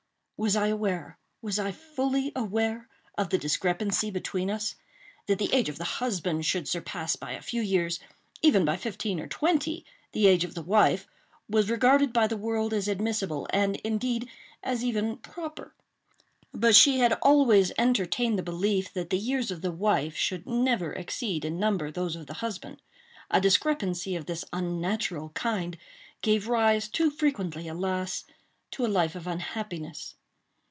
Was I aware—was I fully aware of the discrepancy between us? That the age of the husband, should surpass by a few years—even by fifteen or twenty—the age of the wife, was regarded by the world as admissible, and, indeed, as even proper; but she had always entertained the belief that the years of the wife should never exceed in number those of the husband. A discrepancy of this unnatural kind gave rise, too frequently, alas! to a life of unhappiness.